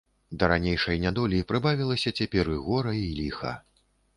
Да ранейшай нядолі прыбавілася цяпер і гора і ліха.